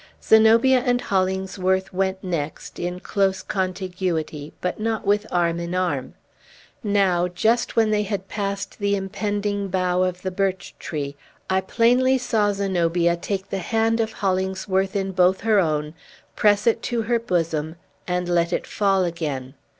Zenobia and Hollingsworth went next, in close contiguity, but not with arm in arm. Now, just when they had passed the impending bough of a birch tree, I plainly saw Zenobia take the hand of Hollingsworth in both her own, press it to her bosom, and let it fall again!